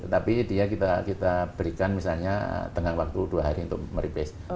tapi dia kita berikan misalnya tengah waktu dua hari untuk meripace